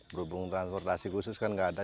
berhubung transportasi khusus kan nggak ada